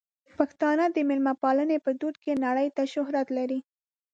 پښتانه د مېلمه پالنې په دود کې نړۍ ته شهرت لري.